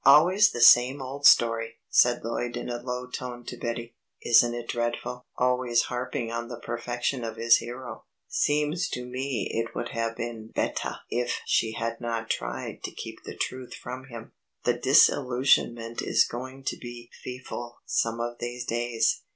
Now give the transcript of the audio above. "Always the same old story," said Lloyd in a low tone to Betty. "Isn't it dreadful? Always harping on the perfection of his hero. Seems to me it would have been bettah if she had not tried to keep the truth from him. The disillusionment is going to be feahful some of these days.